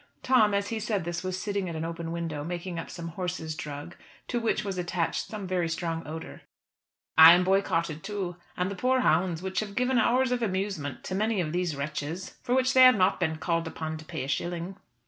Tom as he said this was sitting at an open window making up some horse's drug to which was attached some very strong odour. "I am boycotted too, and the poor hounds, which have given hours of amusement to many of these wretches, for which they have not been called upon to pay a shilling.